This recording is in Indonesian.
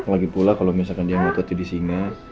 lagipula kalo misalkan dia mau jadi singa